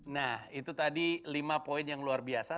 nah itu tadi lima poin yang luar biasa